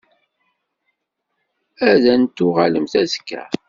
Ad n-tuɣalemt azekka?